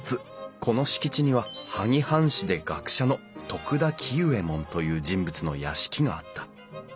この敷地には萩藩士で学者の徳田喜右衛門という人物の屋敷があった。